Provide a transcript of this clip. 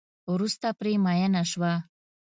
وروسته پرې میېنه شوه.